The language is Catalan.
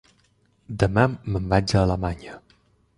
Demà me'n vaig a Alemanya.